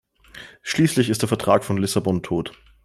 Schließlich ist der Vertrag von Lissabon tot.